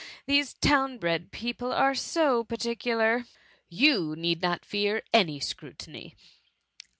These town bred people are so parti cular."" You need not fear any scrutiny.